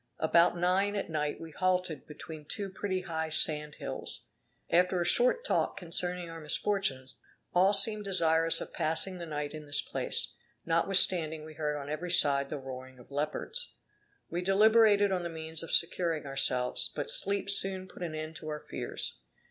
About nine at night we halted between two pretty high sand hills. After a short talk concerning our misfortunes, all seemed desirous of passing the night in this place, notwithstanding we heard on every side the roaring of leopards. We deliberated on the means of securing ourselves, but sleep soon put an end to our fears.